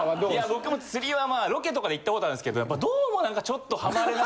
僕も釣りはまあロケとかで行ったことあるんですけどやっぱどうも何かちょっと。